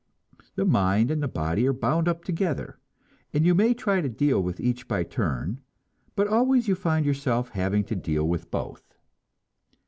The mind and the body are bound up together, and you may try to deal with each by turn, but always you find yourself having to deal with both.